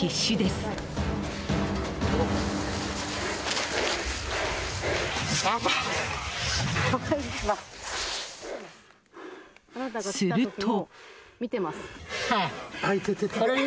すると。